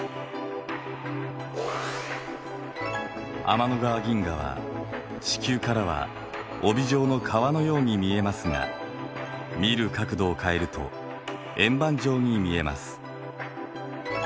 天の川銀河は地球からは帯状の川のように見えますが見る角度を変えると円盤状に見えます。